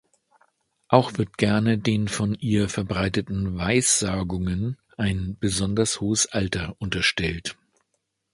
Auch wird gerne den von ihr verbreiteten „Weissagungen“ ein besonders hohes Alter unterstellt.